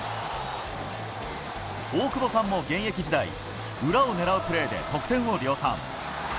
大久保さんも現役時代、裏を狙うプレーで得点を量産。